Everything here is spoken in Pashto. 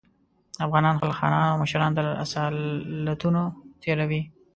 افغانان خپل خانان او مشران تر اصالتونو تېروي.